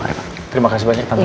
iya terima kasih banyak tante